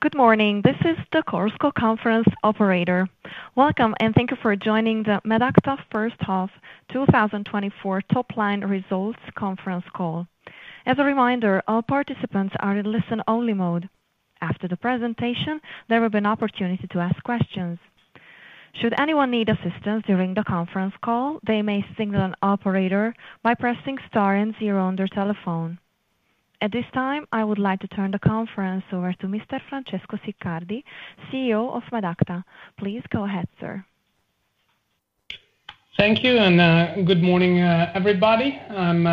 Good morning. This is the Chorus Call conference operator. Welcome, and thank you for joining the Medacta First Half 2024 Top Line Results Conference Call. As a reminder, all participants are in listen-only mode. After the presentation, there will be an opportunity to ask questions. Should anyone need assistance during the conference call, they may signal an operator by pressing star and zero on their telephone. At this time, I would like to turn the conference over to Mr. Francesco Siccardi, CEO of Medacta. Please go ahead, sir. Thank you, and good morning, everybody. I'm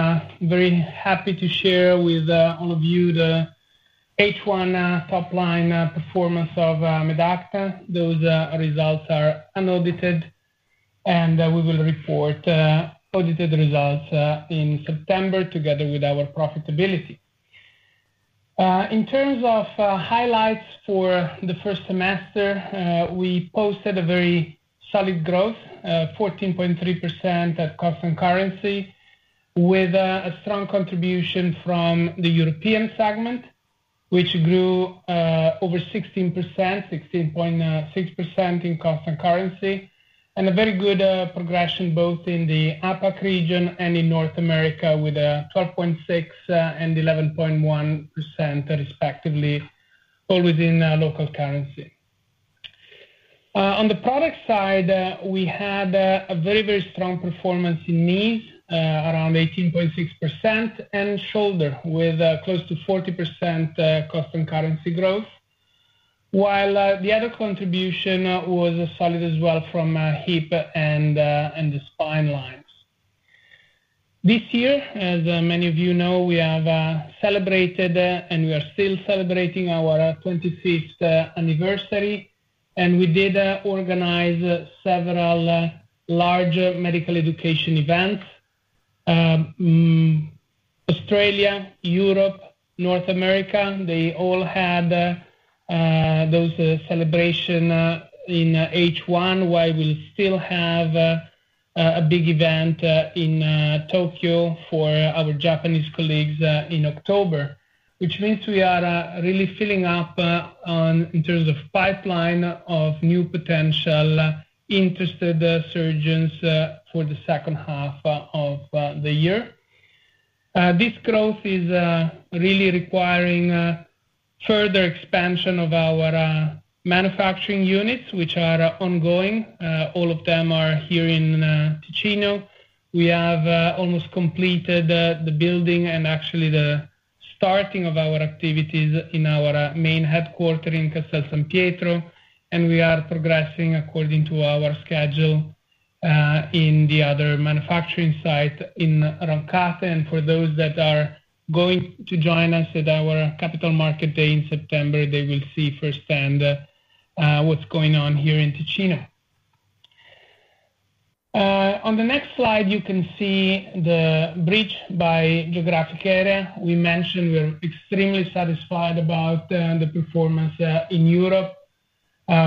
very happy to share with all of you the H1 top line performance of Medacta. Those results are unaudited, and we will report audited results in September together with our profitability. In terms of highlights for the first semester, we posted a very solid growth, 14.3% at constant currency, with a strong contribution from the European segment, which grew over 16%, 16.6% in constant currency, and a very good progression both in the APAC region and in North America with 12.6% and 11.1%, respectively, all within local currency. On the product side, we had a very, very strong performance in Knee, around 18.6%, and Shoulder with close to 40% constant currency growth, while the other contribution was solid as well from Hip and the Spine lines. This year, as many of you know, we have celebrated and we are still celebrating our 25th anniversary, and we did organize several large medical education events. Australia, Europe, North America, they all had those celebrations in H1, while we'll still have a big event in Tokyo for our Japanese colleagues in October, which means we are really filling up in terms of pipeline of new potential interested surgeons for the second half of the year. This growth is really requiring further expansion of our manufacturing units, which are ongoing. All of them are here in Ticino. We have almost completed the building and actually the starting of our activities in our main headquarters in Castel San Pietro, and we are progressing according to our schedule in the other manufacturing site in Rancate. For those that are going to join us at our Capital Markets Day in September, they will see firsthand what's going on here in Ticino. On the next slide, you can see the bridge by Geographic Area. We mentioned we're extremely satisfied about the performance in Europe,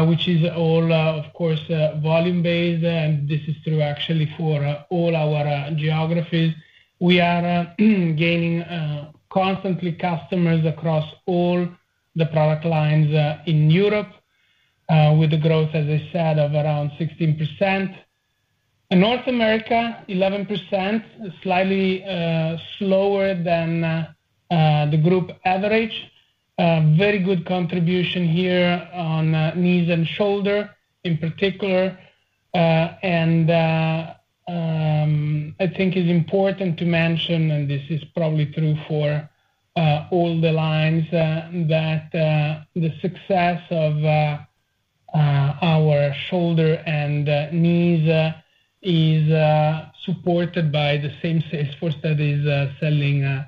which is all, of course, volume-based, and this is true actually for all our geographies. We are gaining constantly customers across all the product lines in Europe with a growth, as I said, of around 16%. In North America, 11%, slightly slower than the group average. Very good contribution here on Knees and Shoulder in particular. I think it's important to mention, and this is probably true for all the lines, that the success of our Shoulder and Knees is supported by the same sales force that is selling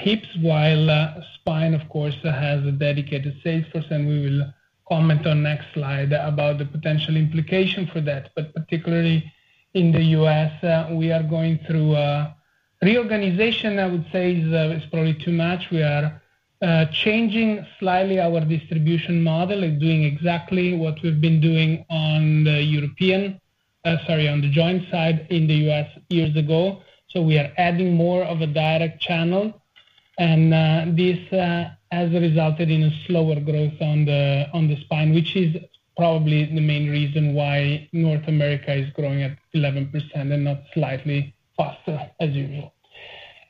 Hips, while Spine, of course, has a dedicated sales force, and we will comment on the next slide about the potential implication for that. But particularly in the U.S., we are going through a reorganization, I would say, is probably too much. We are changing slightly our distribution model and doing exactly what we've been doing on the European, sorry, on the joint side in the U.S. years ago. So we are adding more of a direct channel, and this has resulted in a slower growth on the Spine, which is probably the main reason why North America is growing at 11% and not slightly faster as usual.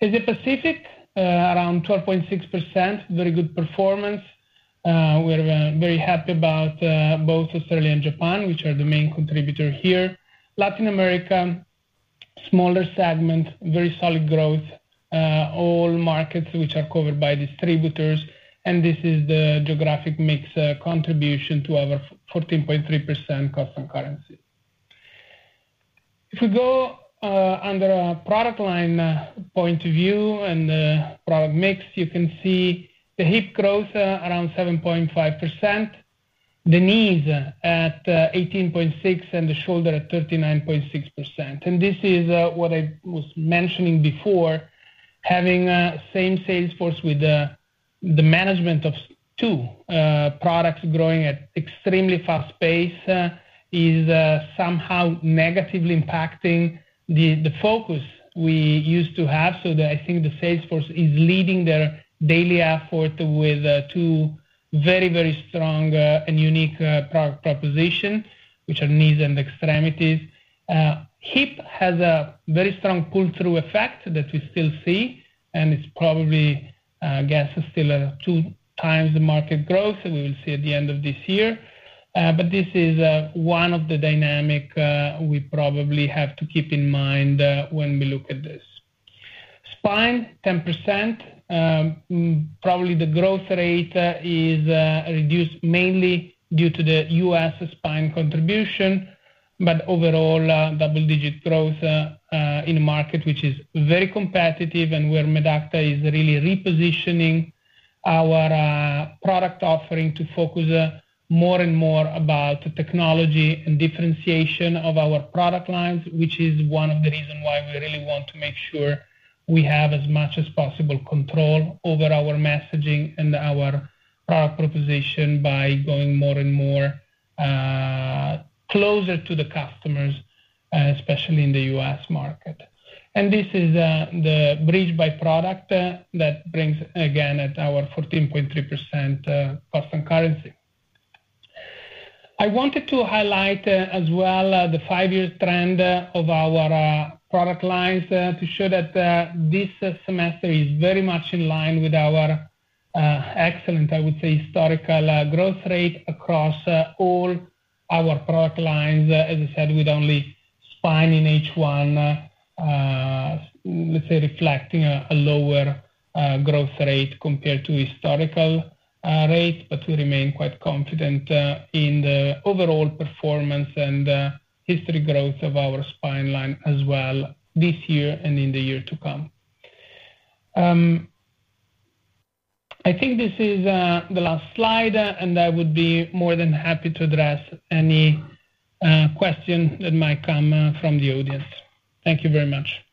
In the Pacific, around 12.6%, very good performance. We're very happy about both Australia and Japan, which are the main contributors here. Latin America, smaller segment, very solid growth, all markets which are covered by distributors, and this is the geographic mix contribution to our 14.3% constant currency. If we go under a product line point of view and product mix, you can see the Hip growth around 7.5%, the Knee at 18.6%, and the Shoulder at 39.6%. This is what I was mentioning before, having the same sales force with the management of two products growing at extremely fast pace is somehow negatively impacting the focus we used to have. I think the sales force is leading their daily effort with two very, very strong and unique product propositions, which are Knee and Extremities. Hip has a very strong pull-through effect that we still see, and it's probably, I guess, still two times the market growth we will see at the end of this year. But this is one of the dynamics we probably have to keep in mind when we look at this. Spine, 10%. Probably the growth rate is reduced mainly due to the U.S. Spine contribution, but overall, double-digit growth in the market, which is very competitive, and where Medacta is really repositioning our product offering to focus more and more about technology and differentiation of our product lines, which is one of the reasons why we really want to make sure we have as much as possible control over our messaging and our product proposition by going more and more closer to the customers, especially in the U.S. market. This is the bridge by product that brings, again, at our 14.3% constant currency. I wanted to highlight as well the five-year trend of our product lines to show that this semester is very much in line with our excellent, I would say, historical growth rate across all our product lines. As I said, with only Spine in H1, let's say, reflecting a lower growth rate compared to historical rate, but we remain quite confident in the overall performance and history growth of our Spine line as well this year and in the year to come. I think this is the last slide, and I would be more than happy to address any question that might come from the audience. Thank you very much.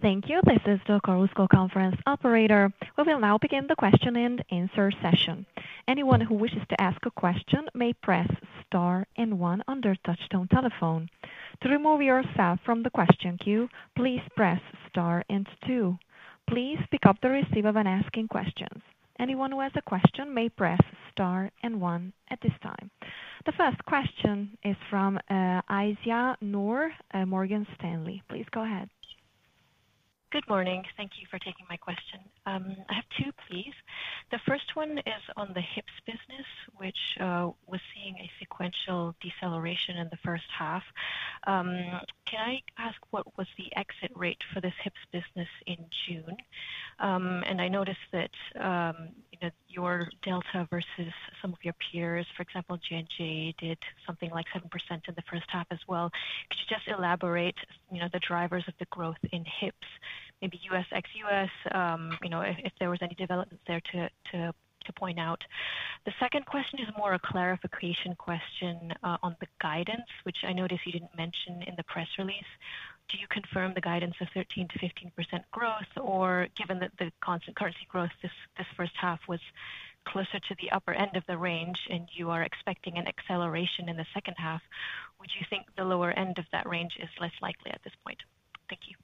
Thank you. This is the Chorus Call Conference Operator. We will now begin the question and answer session. Anyone who wishes to ask a question may press star and one under touch-tone telephone. To remove yourself from the question queue, please press star and two. Please pick up the receiver when asking questions. Anyone who has a question may press star and one at this time. The first question is from Aisyah Noor Morgan Stanley. Please go ahead. Good morning. Thank you for taking my question. I have two, please. The first one is on the hip business, which was seeing a sequential deceleration in the first half. Can I ask what was the exit rate for this Hip business in June? And I noticed that your delta versus some of your peers, for example, J&J did something like 7% in the first half as well. Could you just elaborate the drivers of the growth in Hip, maybe U.S. ex-U.S., if there was any development there to point out? The second question is more a clarification question on the guidance, which I noticed you didn't mention in the press release. Do you confirm the guidance of 13%-15% growth, or given that the constant currency growth this first half was closer to the upper end of the range and you are expecting an acceleration in the second half, would you think the lower end of that range is less likely at this point? Thank you.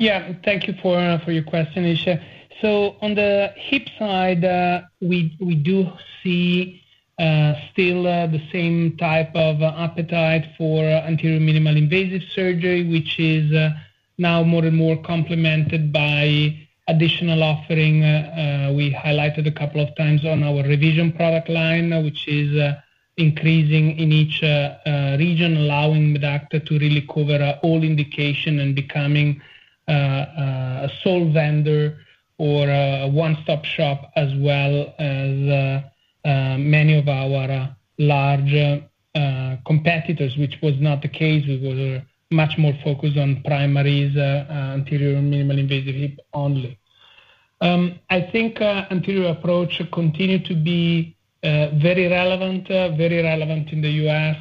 Yeah. Thank you for your question, Aisyah. So on the Hip side, we do see still the same type of appetite for anterior minimal invasive surgery, which is now more and more complemented by additional offering. We highlighted a couple of times on our revision product line, which is increasing in each region, allowing Medacta to really cover all indication and becoming a sole vendor or a one-stop shop as well as many of our large competitors, which was not the case. We were much more focused on primaries, anterior minimal invasive Hip only. I think anterior approach continued to be very relevant, very relevant in the U.S.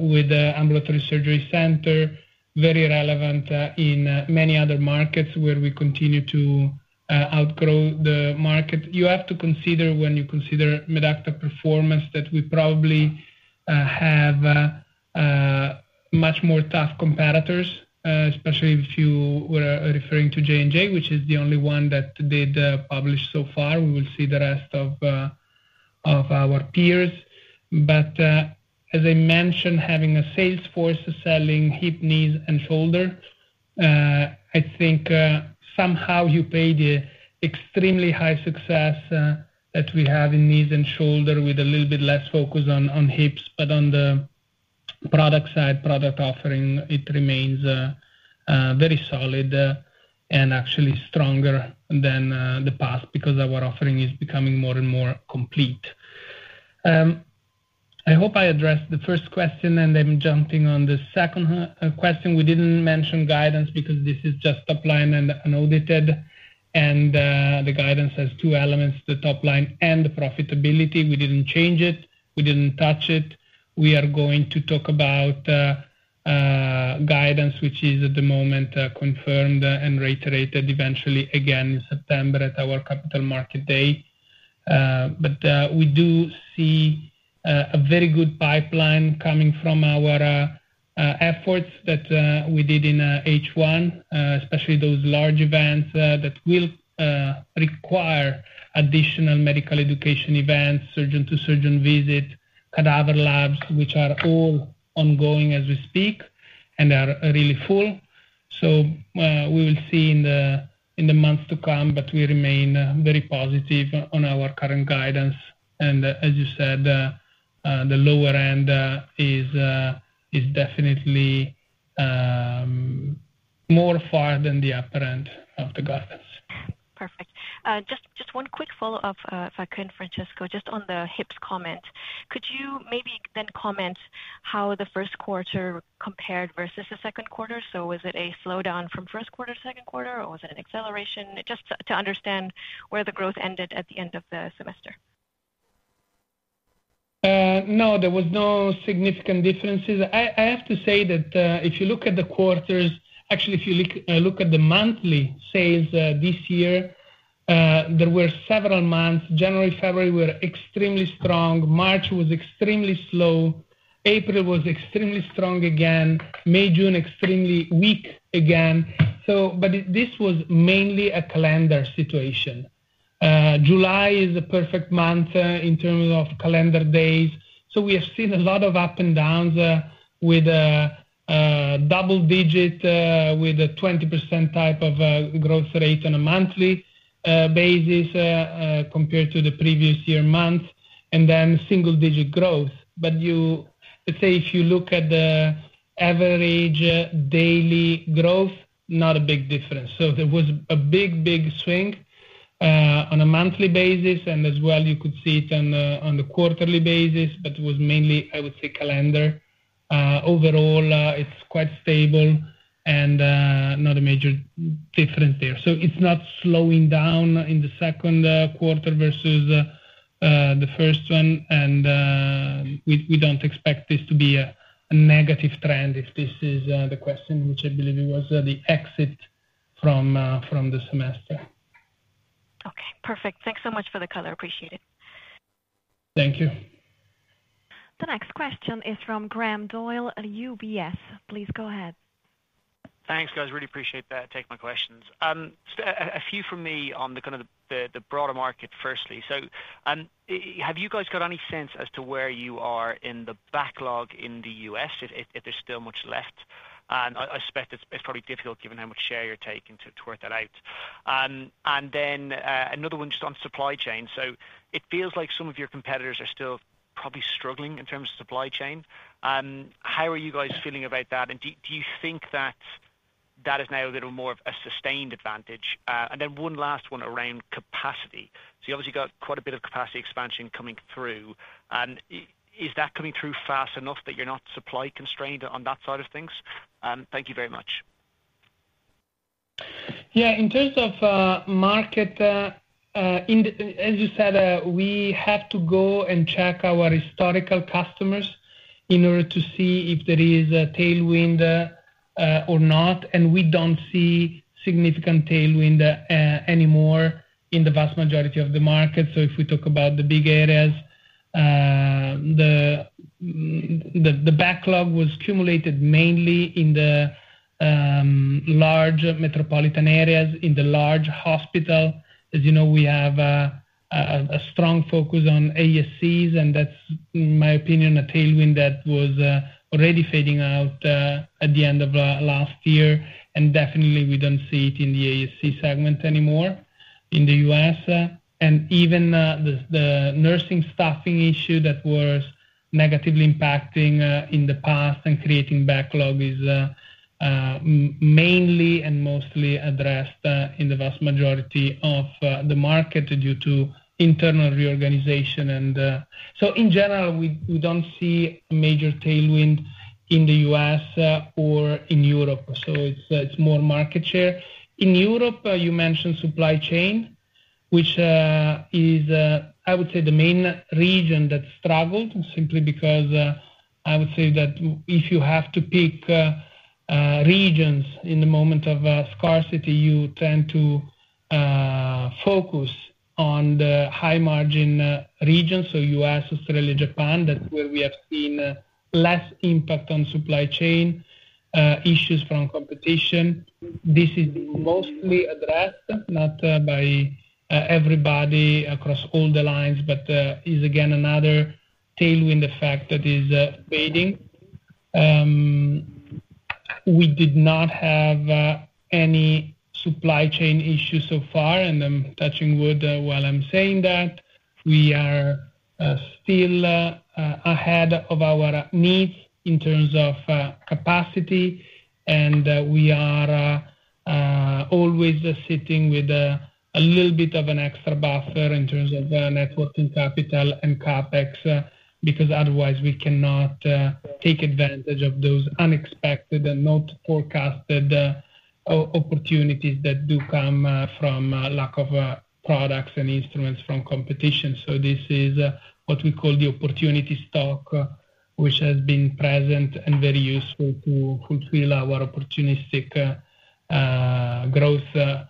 with the ambulatory surgery center, very relevant in many other markets where we continue to outgrow the market. You have to consider when you consider Medacta performance that we probably have much more tough competitors, especially if you were referring to J&J, which is the only one that did publish so far. We will see the rest of our peers. But as I mentioned, having a sales force selling hip, knees, and shoulder, I think somehow you pay the extremely high success that we have in Knees and Shoulder with a little bit less focus on Hips. But on the product side, product offering, it remains very solid and actually stronger than the past because our offering is becoming more and more complete. I hope I addressed the first question, and I'm jumping on the second question. We didn't mention guidance because this is just top line and unaudited, and the guidance has two elements, the top line and the profitability. We didn't change it. We didn't touch it. We are going to talk about guidance, which is at the moment confirmed and reiterated eventually again in September at our Capital Markets Day. But we do see a very good pipeline coming from our efforts that we did in H1, especially those large events that will require additional medical education events, surgeon-to-surgeon visit, cadaver labs, which are all ongoing as we speak and are really full. So we will see in the months to come, but we remain very positive on our current guidance. And as you said, the lower end is definitely more far than the upper end of the guidance. Perfect. Just one quick follow-up, if I can, Francesco, just on the Hips comment. Could you maybe then comment how the first quarter compared versus the second quarter? So was it a slowdown from first quarter to second quarter, or was it an acceleration? Just to understand where the growth ended at the end of the semester. No, there were no significant differences. I have to say that if you look at the quarters, actually, if you look at the monthly sales this year, there were several months. January, February were extremely strong. March was extremely slow. April was extremely strong again. May, June extremely weak again. But this was mainly a calendar situation. July is a perfect month in terms of calendar days. So we have seen a lot of up and downs with double-digit, with a 20% type of growth rate on a monthly basis compared to the previous year month, and then single-digit growth. But let's say if you look at the average daily growth, not a big difference. So there was a big, big swing on a monthly basis, and as well, you could see it on the quarterly basis, but it was mainly, I would say, calendar. Overall, it's quite stable and not a major difference there. So it's not slowing down in the second quarter versus the first one, and we don't expect this to be a negative trend if this is the question, which I believe it was the exit from the semester. Okay. Perfect. Thanks so much for the color. Appreciate it. Thank you. The next question is from Graham Doyle at UBS. Please go ahead. Thanks, guys. Really appreciate that. Take my questions. A few from me on the kind of the broader market firstly. So have you guys got any sense as to where you are in the backlog in the U.S., if there's still much left? I suspect it's probably difficult given how much share you're taking to work that out. And then another one just on supply chain. So it feels like some of your competitors are still probably struggling in terms of supply chain. How are you guys feeling about that? And do you think that that is now a little more of a sustained advantage? And then one last one around capacity. So you obviously got quite a bit of capacity expansion coming through. Is that coming through fast enough that you're not supply constrained on that side of things? Thank you very much. Yeah. In terms of market, as you said, we have to go and check our historical customers in order to see if there is a tailwind or not. We don't see significant tailwind anymore in the vast majority of the market. So if we talk about the big areas, the backlog was cumulated mainly in the large metropolitan areas, in the large hospital. As you know, we have a strong focus on ASCs, and that's, in my opinion, a tailwind that was already fading out at the end of last year. Definitely, we don't see it in the ASC segment anymore in the U.S. Even the nursing staffing issue that was negatively impacting in the past and creating backlog is mainly and mostly addressed in the vast majority of the market due to internal reorganization. So in general, we don't see a major tailwind in the U.S. or in Europe. So it's more market share. In Europe, you mentioned supply chain, which is, I would say, the main region that struggled simply because I would say that if you have to pick regions in the moment of scarcity, you tend to focus on the high-margin region, so U.S., Australia, Japan, that's where we have seen less impact on supply chain issues from competition. This is mostly addressed, not by everybody across all the lines, but is, again, another tailwind effect that is fading. We did not have any supply chain issues so far, and I'm touching wood while I'm saying that. We are still ahead of our needs in terms of capacity, and we are always sitting with a little bit of an extra buffer in terms of working capital and CapEx because otherwise we cannot take advantage of those unexpected and not forecasted opportunities that do come from lack of products and instruments from competition. So this is what we call the opportunity stock, which has been present and very useful to fulfill our opportunistic growth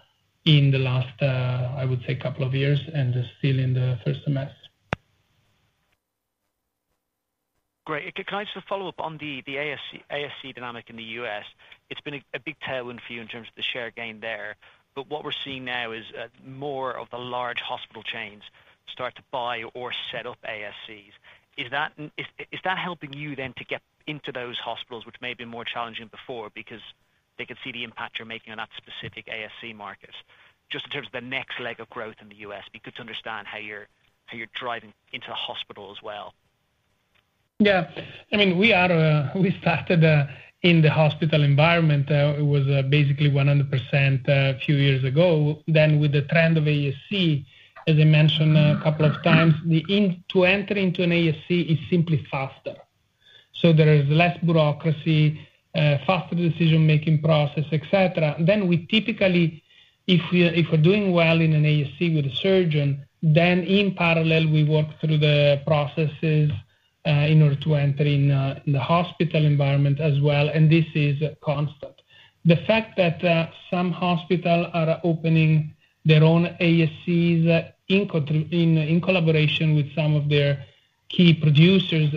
in the last, I would say, couple of years and still in the first semester. Great. Can I just follow up on the ASC dynamic in the U.S.? It's been a big tailwind for you in terms of the share gain there. But what we're seeing now is more of the large hospital chains start to buy or set up ASCs. Is that helping you then to get into those hospitals, which may have been more challenging before because they could see the impact you're making on that specific ASC market? Just in terms of the next leg of growth in the U.S., be good to understand how you're driving into the hospital as well. Yeah. I mean, we started in the hospital environment. It was basically 100% a few years ago. Then with the trend of ASC, as I mentioned a couple of times, to enter into an ASC is simply faster. So there is less bureaucracy, faster decision-making process, etc. Then we typically, if we're doing well in an ASC with a surgeon, then in parallel, we work through the processes in order to enter in the hospital environment as well. And this is constant. The fact that some hospitals are opening their own ASCs in collaboration with some of their key producers,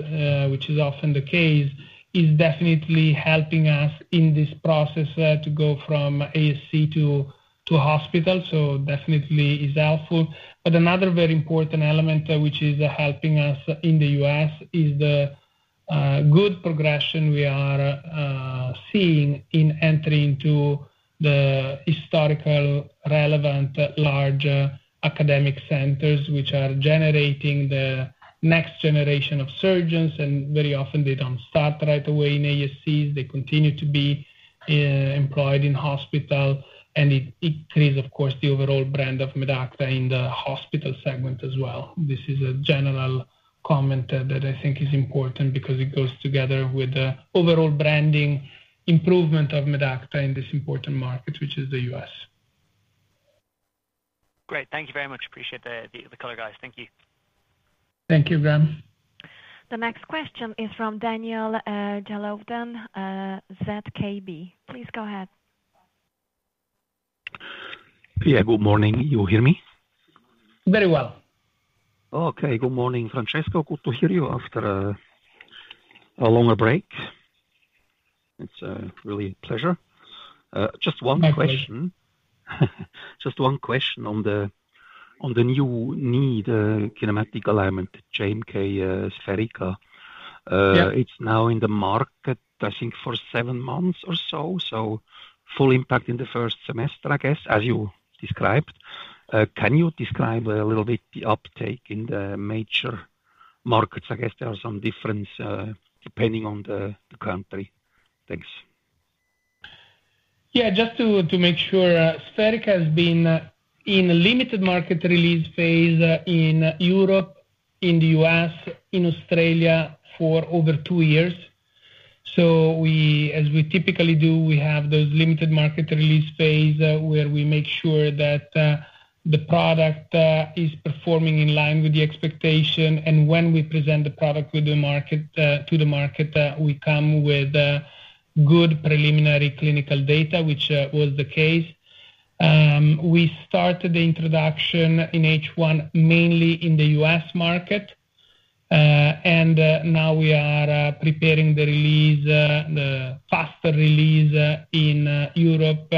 which is often the case, is definitely helping us in this process to go from ASC to hospital. So definitely is helpful. But another very important element, which is helping us in the U.S., is the good progression we are seeing in entering into the historical relevant large academic centers, which are generating the next generation of surgeons. And very often, they don't start right away in ASCs. They continue to be employed in hospital. And it increases, of course, the overall brand of Medacta in the hospital segment as well. This is a general comment that I think is important because it goes together with the overall branding improvement of Medacta in this important market, which is the U.S. Great. Thank you very much. Appreciate the color, guys. Thank you. Thank you, Graham. The next question is from Daniel Jelovcan, ZKB. Please go ahead. Yeah. Good morning. You hear me? Very well. Okay. Good morning, Francesco. Good to hear you after a longer break. It's really a pleasure. Just one question. Just one question on the new knee kinematic alignment, GMK SpheriKA. It's now in the market, I think, for seven months or so. So full impact in the first semester, I guess, as you described. Can you describe a little bit the uptake in the major markets? I guess there are some differences depending on the country. Thanks. Yeah. Just to make sure, SpheriKA has been in limited market release phase in Europe, in the U.S., in Australia for over two years. So as we typically do, we have those limited market release phase where we make sure that the product is performing in line with the expectation. And when we present the product to the market, we come with good preliminary clinical data, which was the case. We started the introduction in H1 mainly in the U.S. market. And now we are preparing the release, the faster release in Europe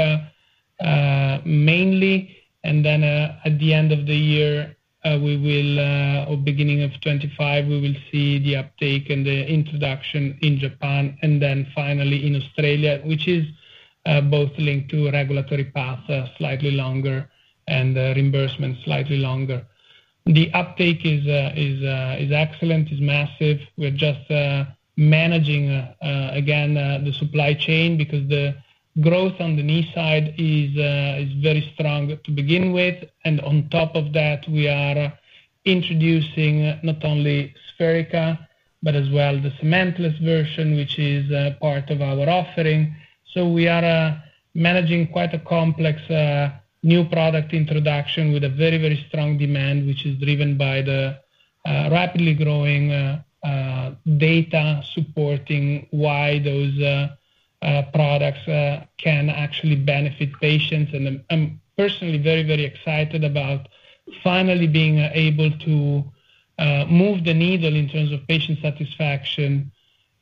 mainly. And then at the end of the year, we will, or beginning of 2025, we will see the uptake and the introduction in Japan, and then finally in Australia, which is both linked to regulatory path slightly longer and reimbursement slightly longer. The uptake is excellent, is massive. We're just managing, again, the supply chain because the growth on the Knee side is very strong to begin with. On top of that, we are introducing not only SpheriKA, but as well the cementless version, which is part of our offering. We are managing quite a complex new product introduction with a very, very strong demand, which is driven by the rapidly growing data supporting why those products can actually benefit patients. I'm personally very, very excited about finally being able to move the needle in terms of patient satisfaction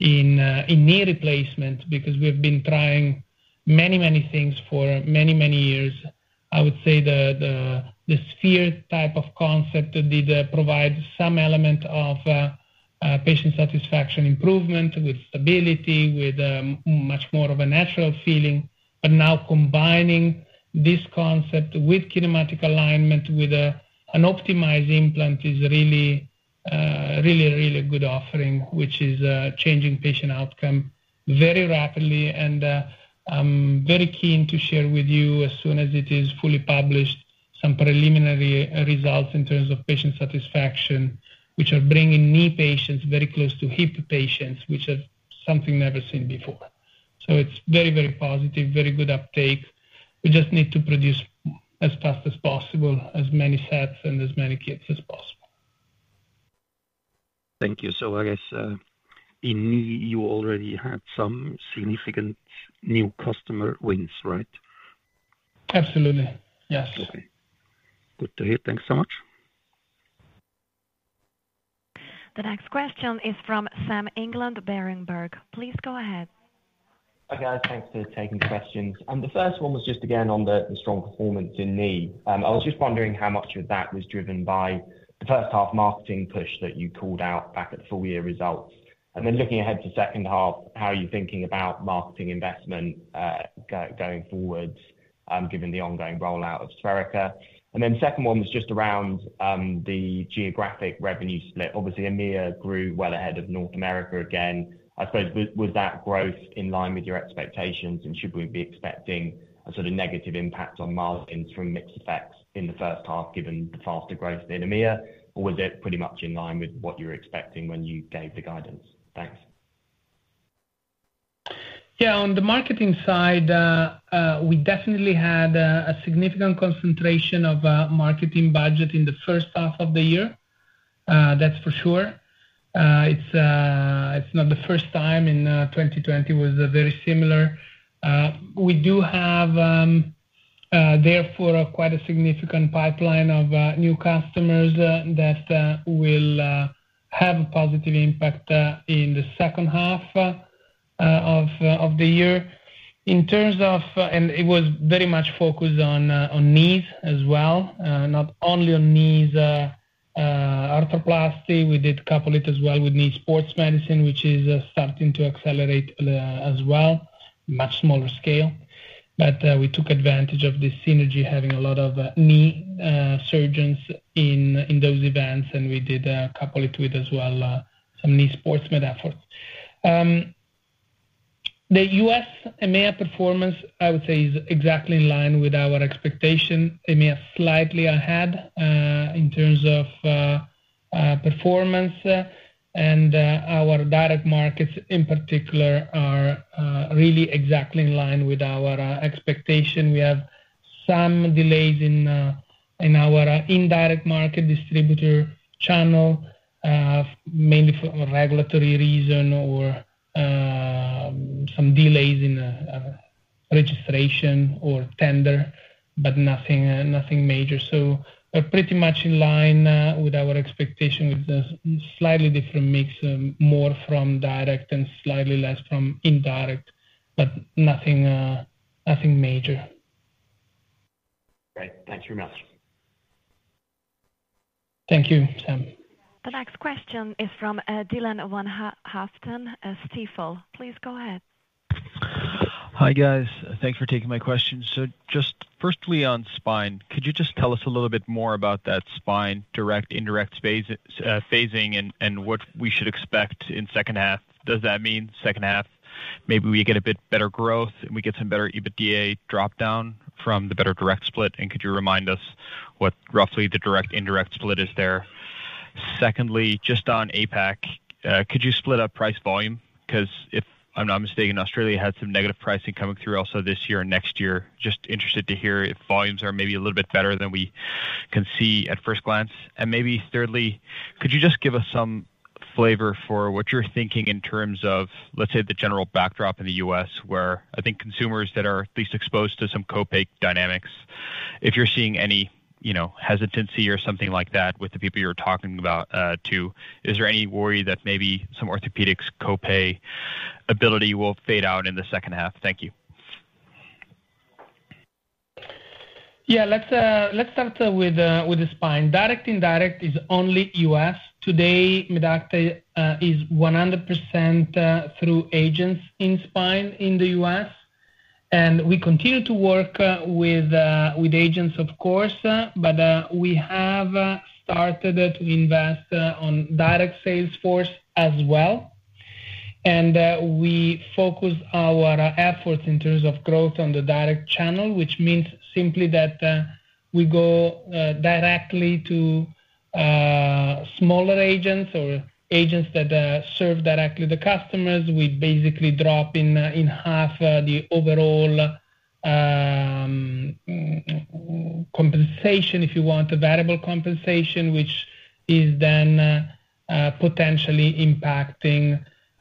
in knee replacement because we have been trying many, many things for many, many years. I would say the SpheriKA type of concept did provide some element of patient satisfaction improvement with stability, with much more of a natural feeling. But now combining this concept with kinematic alignment with an optimized implant is really, really, really a good offering, which is changing patient outcome very rapidly. And I'm very keen to share with you as soon as it is fully published, some preliminary results in terms of patient satisfaction, which are bringing knee patients very close to hip patients, which is something never seen before. So it's very, very positive, very good uptake. We just need to produce as fast as possible, as many sets, and as many kits as possible. Thank you. So I guess in Knee, you already had some significant new customer wins, right? Absolutely. Yes. Okay. Good to hear. Thanks so much. The next question is from Sam England, Berenberg. Please go ahead. Okay. Thanks for taking the questions. And the first one was just, again, on the strong performance in Knee. I was just wondering how much of that was driven by the first-half marketing push that you called out back at the full-year results. And then looking ahead to the second half, how are you thinking about marketing investment going forward given the ongoing rollout of SpheriKA? And then the second one was just around the geographic revenue split. Obviously, EMEA grew well ahead of North America again. I suppose, was that growth in line with your expectations? And should we be expecting a sort of negative impact on margins from mixed effects in the first half given the faster growth in EMEA? Or was it pretty much in line with what you were expecting when you gave the guidance? Thanks. Yeah. On the marketing side, we definitely had a significant concentration of marketing budget in the first half of the year. That's for sure. It's not the first time; 2020 was very similar. We do have, therefore, quite a significant pipeline of new customers that will have a positive impact in the second half of the year. In terms of, and it was very much focused on Knees as well, not only on knee arthroplasty. We did a couple of it as well with knee sports medicine, which is starting to accelerate as well, much smaller scale. But we took advantage of the synergy having a lot of knee surgeons in those events. And we did a couple of it with as well, some knee sports med efforts. The U.S. EMEA performance, I would say, is exactly in line with our expectation. EMEA slightly ahead in terms of performance. Our direct markets, in particular, are really exactly in line with our expectation. We have some delays in our indirect market distributor channel, mainly for regulatory reason or some delays in registration or tender, but nothing major. We're pretty much in line with our expectation with a slightly different mix, more from direct and slightly less from indirect, but nothing major. Great. Thanks very much. Thank you, Sam. The next question is from Dylan van Haaften, Stifel. Please go ahead. Hi, guys. Thanks for taking my question. So just firstly on Spine, could you just tell us a little bit more about that Spine direct-indirect phasing and what we should expect in second half? Does that mean second half, maybe we get a bit better growth and we get some better EBITDA dropdown from the better direct split? And could you remind us what roughly the direct-indirect split is there? Secondly, just on APAC, could you split up price volume? Because if I'm not mistaken, Australia had some negative pricing coming through also this year and next year. Just interested to hear if volumes are maybe a little bit better than we can see at first glance. Maybe thirdly, could you just give us some flavor for what you're thinking in terms of, let's say, the general backdrop in the U.S., where I think consumers that are at least exposed to some copay dynamics, if you're seeing any hesitancy or something like that with the people you're talking about too, is there any worry that maybe some orthopedics copay ability will fade out in the second half? Thank you. Yeah. Let's start with the Spine. Direct-indirect is only U.S. Today, Medacta is 100% through agents in Spine in the U.S. We continue to work with agents, of course. We have started to invest on direct sales force as well. We focus our efforts in terms of growth on the direct channel, which means simply that we go directly to smaller agents or agents that serve directly the customers. We basically drop in half the overall compensation, if you want, the variable compensation, which is then potentially impacting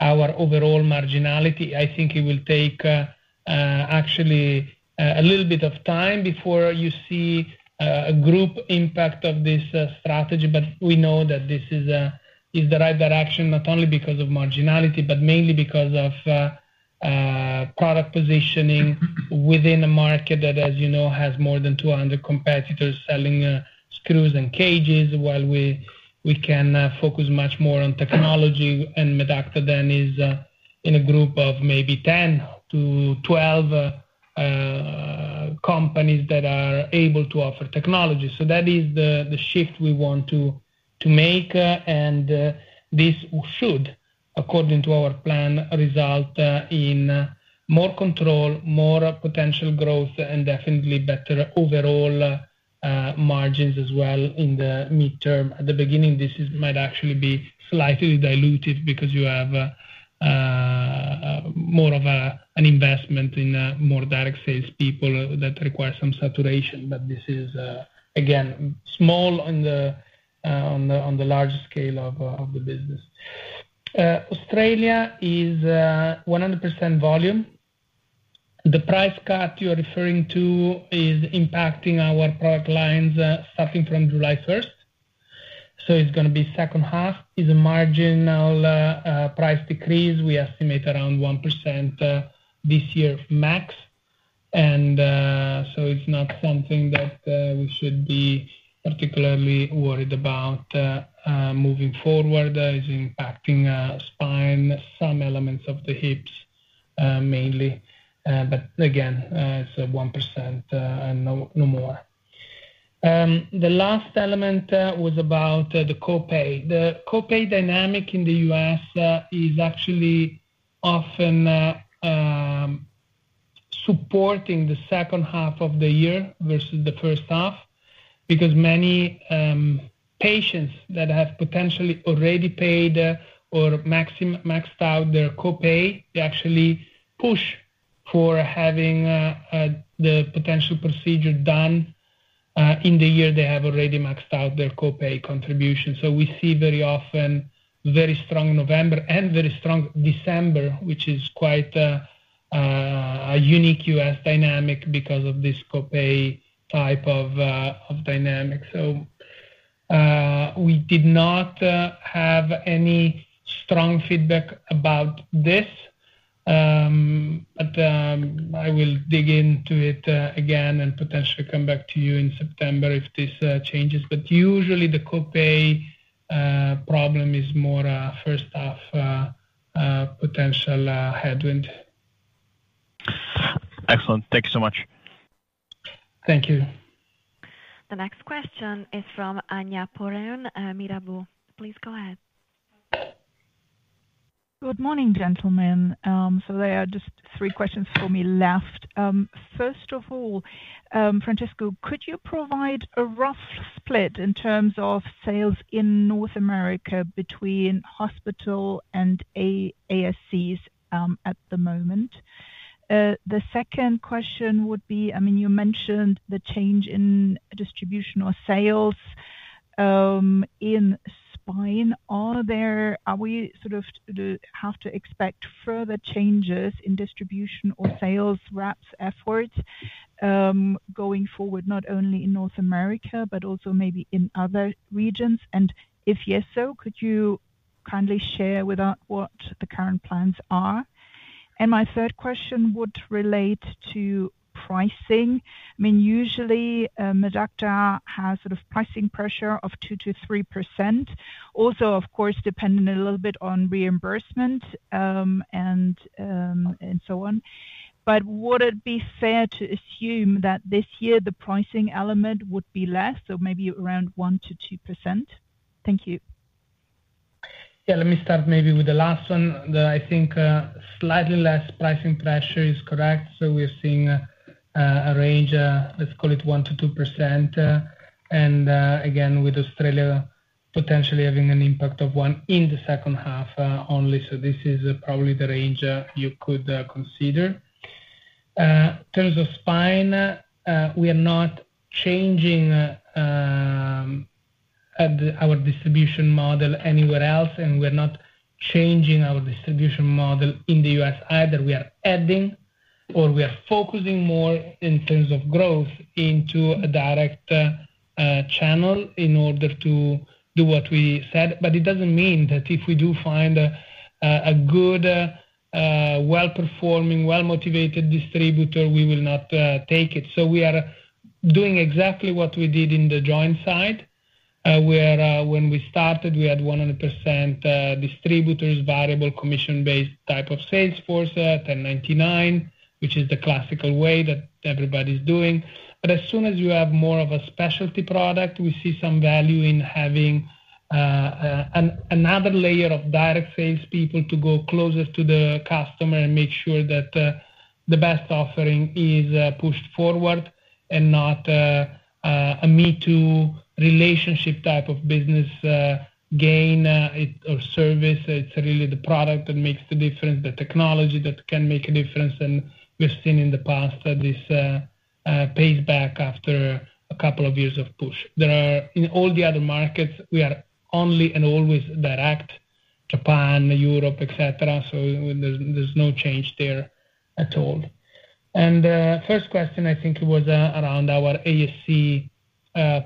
our overall marginality. I think it will take actually a little bit of time before you see a group impact of this strategy. But we know that this is the right direction, not only because of marginality, but mainly because of product positioning within a market that, as you know, has more than 200 competitors selling screws and cages, while we can focus much more on technology. And Medacta then is in a group of maybe 10-12 companies that are able to offer technology. So that is the shift we want to make. And this should, according to our plan, result in more control, more potential growth, and definitely better overall margins as well in the midterm. At the beginning, this might actually be slightly diluted because you have more of an investment in more direct salespeople that require some saturation. But this is, again, small on the large scale of the business. Australia is 100% volume. The price cut you're referring to is impacting our product lines starting from July 1st. So it's going to be second half. It's a marginal price decrease. We estimate around 1% this year max. And so it's not something that we should be particularly worried about moving forward. It's impacting Spine, some elements of the hips mainly. But again, it's 1% and no more. The last element was about the copay. The copay dynamic in the U.S. is actually often supporting the second half of the year versus the first half because many patients that have potentially already paid or maxed out their copay, they actually push for having the potential procedure done in the year. They have already maxed out their copay contribution. So we see very often very strong November and very strong December, which is quite a unique U.S. dynamic because of this copay type of dynamic. So we did not have any strong feedback about this. But I will dig into it again and potentially come back to you in September if this changes. But usually, the copay problem is more first-half potential headwind. Excellent. Thank you so much. Thank you. The next question is from Anja Pomrehn, Mirabaud. Please go ahead. Good morning, gentlemen. So there are just three questions for me left. First of all, Francesco, could you provide a rough split in terms of sales in North America between hospital and ASCs at the moment? The second question would be, I mean, you mentioned the change in distribution or sales in Spine. Are we sort of have to expect further changes in distribution or sales reps efforts going forward, not only in North America, but also maybe in other regions? And if yes, so could you kindly share with us what the current plans are? And my third question would relate to pricing. I mean, usually, Medacta has sort of pricing pressure of 2%-3%, also, of course, depending a little bit on reimbursement and so on. But would it be fair to assume that this year the pricing element would be less, so maybe around 1%-2%? Thank you. Yeah. Let me start maybe with the last one. I think slightly less pricing pressure is correct. So we're seeing a range, let's call it 1%-2%. And again, with Australia potentially having an impact of 1% in the second half only. So this is probably the range you could consider. In terms of Spine, we are not changing our distribution model anywhere else. And we're not changing our distribution model in the U.S. either. We are adding or we are focusing more in terms of growth into a direct channel in order to do what we said. But it doesn't mean that if we do find a good, well-performing, well-motivated distributor, we will not take it. So we are doing exactly what we did in the joint side, where when we started, we had 100% distributors, variable commission-based type of sales force, 1099, which is the classical way that everybody's doing. But as soon as you have more of a specialty product, we see some value in having another layer of direct salespeople to go closer to the customer and make sure that the best offering is pushed forward and not a me-too relationship type of business gain or service. It's really the product that makes the difference, the technology that can make a difference. And we've seen in the past this pays back after a couple of years of push. In all the other markets, we are only and always direct, Japan, Europe, etc. So there's no change there at all. And first question, I think it was around our ASC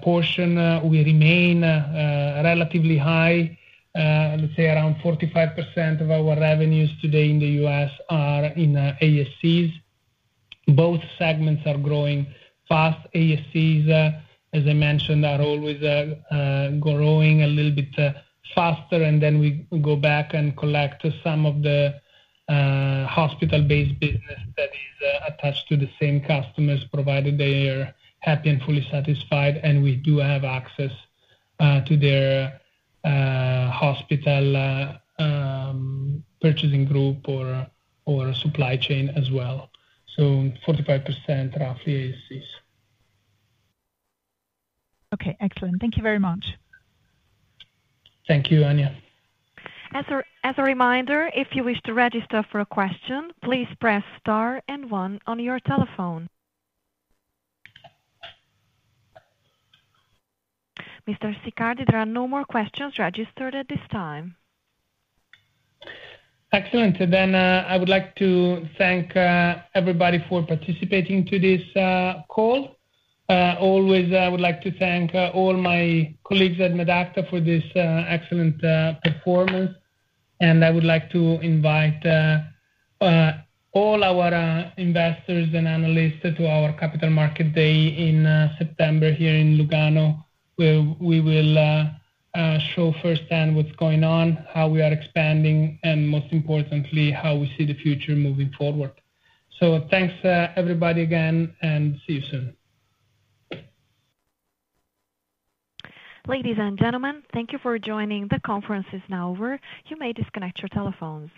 portion. We remain relatively high. Let's say around 45% of our revenues today in the U.S. are in ASCs. Both segments are growing fast. ASCs, as I mentioned, are always growing a little bit faster. And then we go back and collect some of the hospital-based business studies attached to the same customers, provided they are happy and fully satisfied. And we do have access to their hospital purchasing group or supply chain as well. So 45% roughly ASCs. Okay. Excellent. Thank you very much. Thank you, Anja. As a reminder, if you wish to register for a question, please press star and one on your telephone. Mr. Siccardi, there are no more questions registered at this time. Excellent. Then I would like to thank everybody for participating in this call. Always, I would like to thank all my colleagues at Medacta for this excellent performance. And I would like to invite all our investors and analysts to our Capital Markets Day in September here in Lugano, where we will show firsthand what's going on, how we are expanding, and most importantly, how we see the future moving forward. So thanks, everybody, again, and see you soon. Ladies and gentlemen, thank you for joining. The conference is now over. You may disconnect your telephones.